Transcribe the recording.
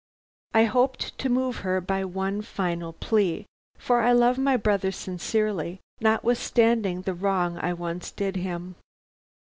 I hoped to move her by one final plea, for I love my brother sincerely, notwithstanding the wrong I once did him.